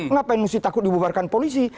ngapain mesti takut dibubarkan polisi